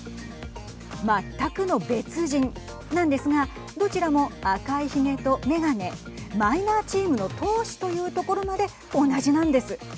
全くの別人なんですがどちらも赤いひげと眼鏡マイナーチームの投手というところまで同じなんです。